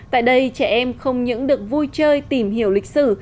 tại đây trẻ em không những được vui chơi tìm hiểu lịch sử